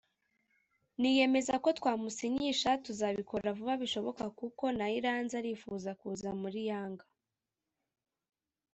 niyemeza ko twamusinyisha tuzabikora vuba bishoboka kuko na Iranzi arifuza kuza muri Yanga